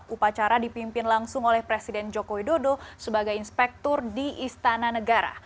upacara dipimpin langsung oleh presiden joko widodo sebagai inspektur di istana negara